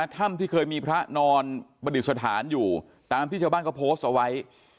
ถ้ำที่เคยมีพระนอนประดิษฐานอยู่ตามที่ชาวบ้านเขาโพสต์เอาไว้